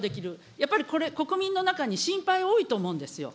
やっぱりこれ、国民の中に心配多いと思うんですよ。